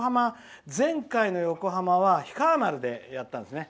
前回の横浜は「氷川丸」でやったんですね。